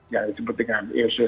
yang disebut dengan